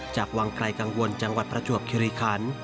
จากวังไกลกังวลจังหวัดประจวบคิริคัน